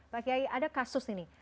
pak kiai ada kasus ini